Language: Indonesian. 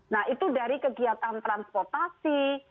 nah itu dari kegiatan transportasi